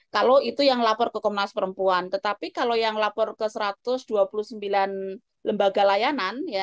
kalau itu yang lapor ke komnas perempuan tetapi kalau yang lapor ke satu ratus dua puluh sembilan lembaga layanan